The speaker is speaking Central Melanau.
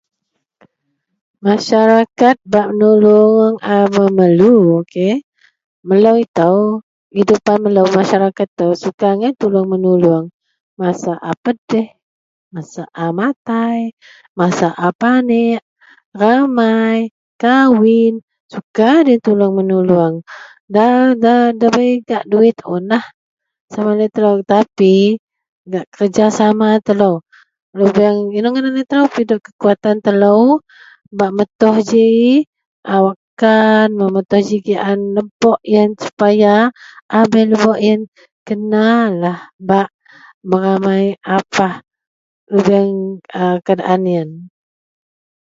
masyarakat bak menulung a memerlu ok, melou itou hidupan melou masyarakat itou, suka agai tulung menulung masa a pedih, masa a matai, masa a paneak, ramai, kawin, suka doyien tulung menulung da da debei gak duwit unlah sama laie telou tapi gak kerjasama telou lubeng inou ngadan itou, pidok kekuatan telou bak metuh ji a wakkan bak metuh giaan lebok ien supaya a bei lebok ien kenalah bak meramai apah lubeang a keadaan ien